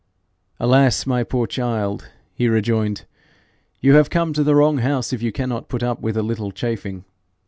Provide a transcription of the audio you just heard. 'Alas, my poor child!' he rejoined, 'you have come to the wrong house if you cannot put up with a little chafing.